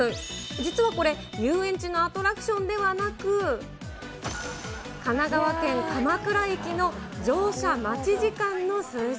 実はこれ、遊園地のアトラクションではなく、神奈川県鎌倉駅の乗車待ち時間の数字。